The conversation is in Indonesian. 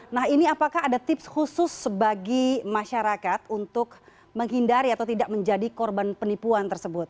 nah ini apakah ada tips khusus bagi masyarakat untuk menghindari atau tidak menjadi korban penipuan tersebut